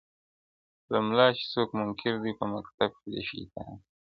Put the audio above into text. له مُلا چي څوک منکر دي په مکتب کي د شیطان دي!.